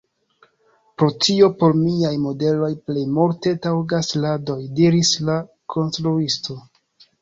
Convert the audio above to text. Pro tio por miaj modeloj plej multe taŭgas radoj, diris la konstruisto.